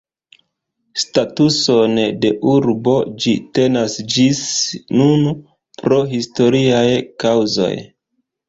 Statuson de urbo ĝi tenas ĝis nun pro historiaj kaŭzoj.